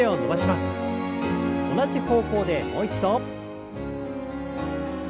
同じ方向でもう一度。